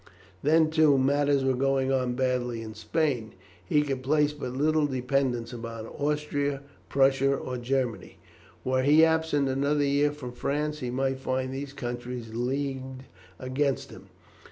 Then, too, matters were going on badly in Spain. He could place but little dependence upon Austria, Prussia, or Germany. Were he absent another year from France he might find these countries leagued against him.